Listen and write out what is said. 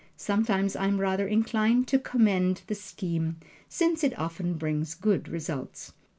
Sometimes I am rather inclined to commend the scheme, since it often brings good results.